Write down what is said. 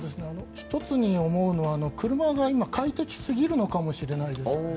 １つ思うのは車が今快適すぎるのかもしれないです。